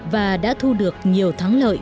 và đã thu được nhiều thắng lợi